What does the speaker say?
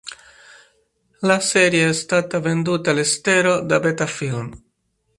La serie è stata venduta all'estero da Beta Film.